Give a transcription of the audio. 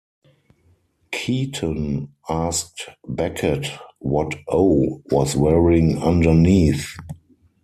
Keaton asked Beckett what O was wearing underneath.